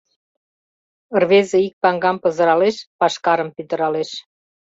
Рвезе ик паҥгам пызыралеш, пашкарым пӱтыралеш.